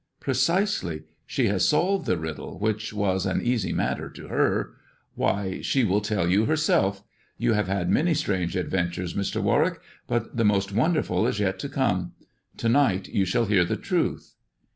"Precisely. She has solved the riddle, which was an easy matter to her. Why, she will tell you herself. You have had many strange adventures, Mr. Warwick ; but the most wonderful is yet to come. To night you shall hear the truth."